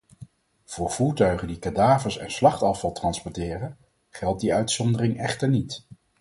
Voor voertuigen die kadavers en slachtafval transporteren, geldt die uitzondering echter niet.